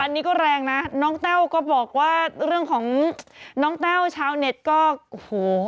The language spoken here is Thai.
อันนี้ก็แรงนะน้องแต้วก็บอกว่าเรื่องของน้องแต้วชาวเน็ตก็โอ้โห